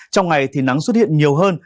trong ngày thì nắng xuất hiện nhiều hơn